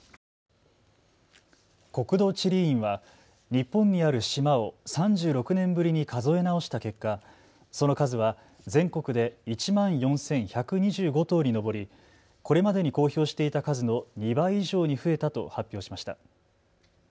国土地理院は日本にある島を３６年ぶりに数え直した結果、その数は全国で１万４１２５島に上り、これまでに公表していた数の２倍以上に増えたと発表しました。